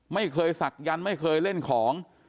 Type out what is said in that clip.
ไม่เคยศักยันต์ไม่เคยเล่นของ